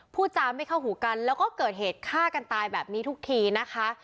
พูดจาไม่เข้าหูกันแล้วก็เกิดเหตุฆ่ากันตายแบบนี้ทุกทีนะคะ